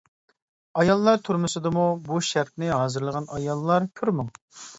ئاياللار تۈرمىسىدىمۇ بۇ شەرتنى ھازىرلىغان ئاياللار كۈرمىڭ.